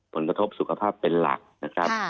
ผลกระทบสุขภาพเป็นหลักนะครับ